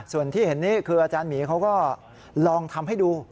ส่วนที่เห็นนี่คืออาจารย์หมีเขาก็ลองทำให้ดู